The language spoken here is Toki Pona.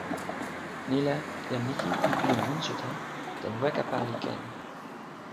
ni la, jan Niki li pilin monsuta tan weka pali ken.